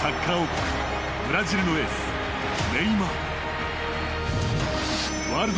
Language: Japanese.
サッカー王国ブラジルのエース・ネイマール。